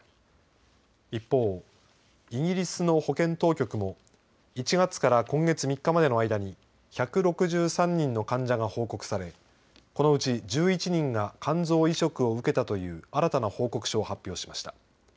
一方、イギリスの保健当局も１月から今月３日までの間に１６３人の患者が報告されこのうち１１人が肝臓移植を受けたという新たな報告書を発表しました。